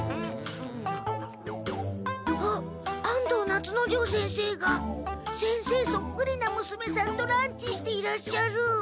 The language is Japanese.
あっ安藤夏之丞先生が先生そっくりな娘さんとランチしていらっしゃる。